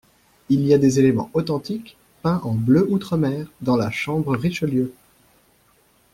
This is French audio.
Il y a des éléments authentiques, peints en bleu outremer, dans la chambre Richelieu.